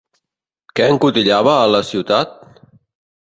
Què encotillava a la ciutat?